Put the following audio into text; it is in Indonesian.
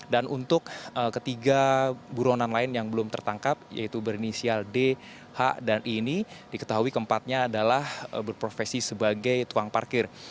dan untuk ketiga buruanan lain yang belum tertangkap yaitu berinisial d h dan i ini diketahui keempatnya adalah berprofesi sebagai tuang parkir